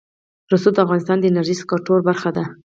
رسوب د افغانستان د انرژۍ سکتور برخه ده.